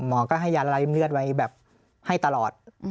หมอก็ให้ยาไร้เลือดไว้แบบให้ตลอด